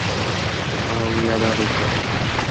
او یادا بیتونه..